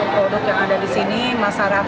sebaiknya saya bilang ke pest venti